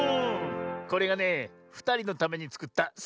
これがねふたりのためにつくったサボさん